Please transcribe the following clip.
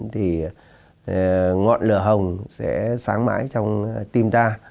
thì ngọn lửa hồng sẽ sáng mãi trong tim ta